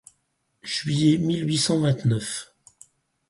Juillet mille huit cent vingt-neuf.